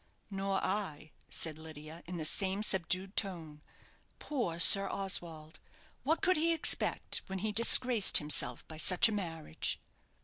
"Nor I," said Lydia, in the same subdued tone. "Poor Sir Oswald! What could he expect when he disgraced himself by such a marriage?"